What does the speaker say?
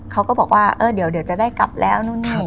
เขาก็บอกว่าเดี๋ยวจะได้กลับแล้ว